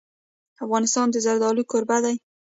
افغانستان د زردالو کوربه دی.